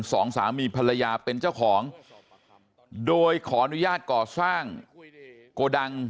สองสามีภรรยาเป็นเจ้าของโดยขออนุญาตก่อสร้างโกดัง